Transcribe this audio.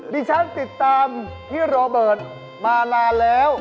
ติดตามพี่โรเบิร์ตมานานแล้ว